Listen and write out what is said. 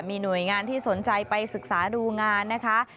มีหน่วยงานที่สนใจไปศึกษาดูงานนะคะ